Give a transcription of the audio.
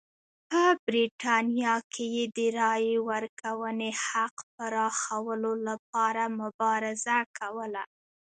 په برېټانیا کې یې د رایې ورکونې حق پراخولو لپاره مبارزه کوله.